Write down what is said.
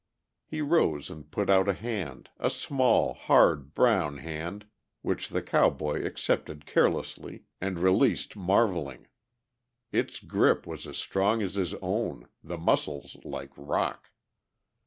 He rose and put out a hand, a small, hard, brown hand which the cowboy accepted carelessly and released marvelling. Its grip was as strong as his own, the muscles like rock.